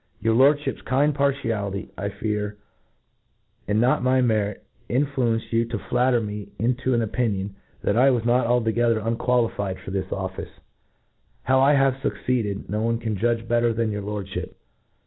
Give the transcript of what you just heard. Your Lordfliip's kind partiality, I fear, and not my merit, influenced you to flatter me into an opinion^ that I was not altogether unqualified for this oflSce. ^How I have fucceeded, no one can judge better than your Lprdfliip.